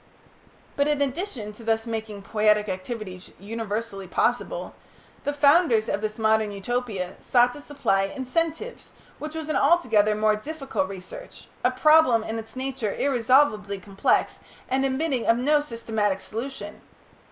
But, in addition to thus making poietic activities universally possible, the founders of this modern Utopia sought to supply incentives, which was an altogether more difficult research, a problem in its nature irresolvably complex, and admitting of no systematic solution.